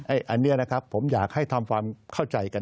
อันนี้นะครับผมอยากให้ทำความเข้าใจกัน